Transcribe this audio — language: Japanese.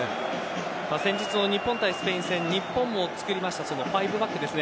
先日、日本対スペイン戦日本もつくった５バックですね